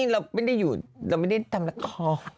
เราไม่ได้อยู่เราไม่ได้ทำละคร